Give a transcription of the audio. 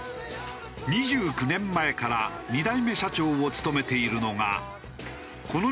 ２９年前から２代目社長を務めているのがこの道